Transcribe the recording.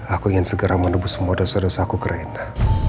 aku ingin segera menebus semua dosa dosa aku ke rena